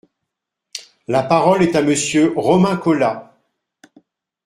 La parole est à Monsieur Romain Colas.